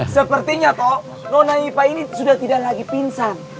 sepertinya toh nona ipa ini sudah tidak lagi pingsan